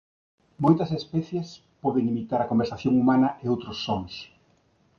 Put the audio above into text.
Moitas especies poden imitar a conversación humana e outros sons.